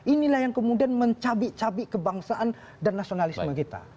inilah yang kemudian mencabik cabik kebangsaan dan nasionalisme kita